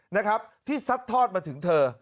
นะครับที่ซัดทอดมาถึงเธอ